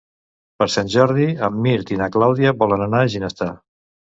Per Sant Jordi en Mirt i na Clàudia volen anar a Ginestar.